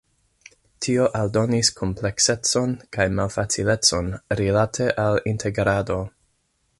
Tio aldonis kompleksecon kaj malfacilecon rilate al integrado.